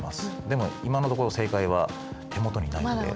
でも今のところ正解は手元にないので。